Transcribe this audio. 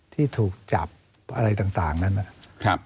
ที่ถูกจับอะไรต่างนั้นนะครับ